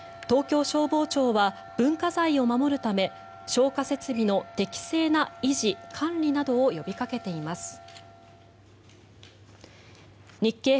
東京消防庁は文化財を守るため消火設備の適正な維持・管理を呼びかけています。